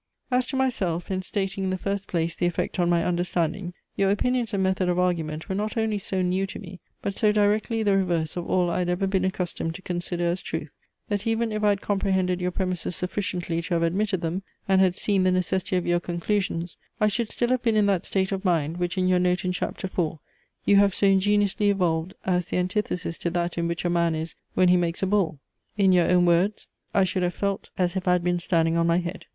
"As to myself, and stating in the first place the effect on my understanding, your opinions and method of argument were not only so new to me, but so directly the reverse of all I had ever been accustomed to consider as truth, that even if I had comprehended your premises sufficiently to have admitted them, and had seen the necessity of your conclusions, I should still have been in that state of mind, which in your note in Chap. IV you have so ingeniously evolved, as the antithesis to that in which a man is, when he makes a bull. In your own words, I should have felt as if I had been standing on my head.